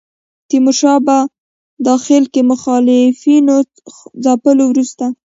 تیمورشاه په داخل کې مخالفینو ځپلو وروسته.